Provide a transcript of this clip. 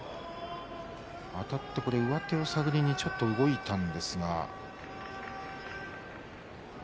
あたって上手を探りにちょっと動いたんですが。